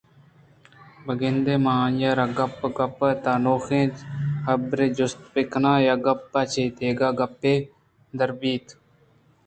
بہ گندے من آئی ءَ را گپ گپ ءِ تہا نوکیں حبرے جست بہ کناں یا گپ ءَ چہ دگہ گپے دربئیت اِنت